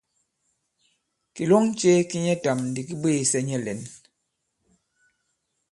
Kìlɔŋ ce ki nyɛtām ndi ki bwêsɛ nyɛ lɛ̌n.